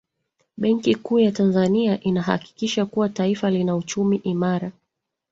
benki kuu ya tanzania inahakikisha kuwa taifa lina uchumi imara